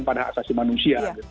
pada asasi manusia